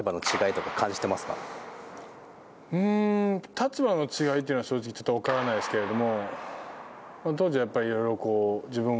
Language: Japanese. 立場の違いというのは正直、ちょっと分からないんですけど。